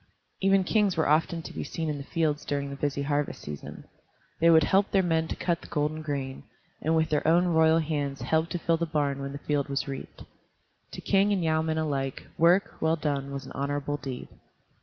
Even kings were often to be seen in the fields during the busy harvest season. They would help their men to cut the golden grain, and with their own royal hands help to fill the barn when the field was reaped. To king and yeomen alike, work, well done, was an honorable deed.